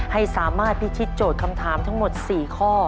ให้สามารถพิชิตโจทย์คำถามทั้งหมด๔ข้อ